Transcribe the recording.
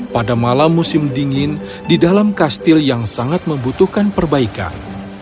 pada malam musim dingin di dalam kastil yang sangat membutuhkan perbaikan